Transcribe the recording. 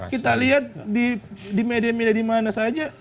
kita lihat di media media dimana saja